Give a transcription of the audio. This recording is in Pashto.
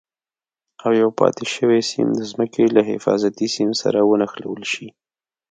او یو پاتې شوی سیم د ځمکې له حفاظتي سیم سره ونښلول شي.